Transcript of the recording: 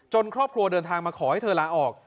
ครอบครัวเดินทางมาขอให้เธอลาออก